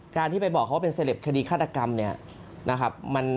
การที่ไปบอกเขาว่าเป็นเสล็บคดีฆาตกรรมเนี่ยนะครับ